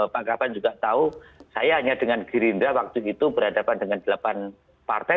pak gaban juga tahu saya hanya dengan girinda waktu itu berhadapan dengan delapan partai